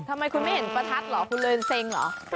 ทำไมคุณไม่เห็นประทัดเหรอคุณเลยเซ็งเหรอ